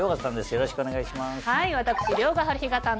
よろしくお願いします。